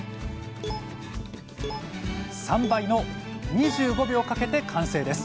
３倍の２５秒かけて完成です。